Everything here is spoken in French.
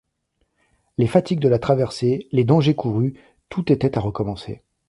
Les fatigues de la traversée, les dangers courus, tout était à recommencer !